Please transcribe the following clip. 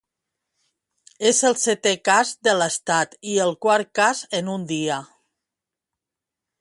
És el setè cas de l'Estat i el quart cas en un dia.